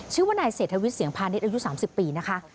ชื่อว่าไนนายเสกธวิสเสียงพาในอายุ๓๐ปีนะคะ